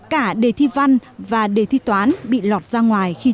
cả đề thi văn và đề thi toán bị lọt ra ngoài